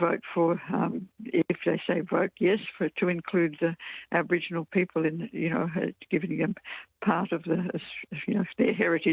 jika mereka menyebutkan memilih ya untuk mengungkapkan orang orang aborigin memberikan bagian dari kultur kultur mereka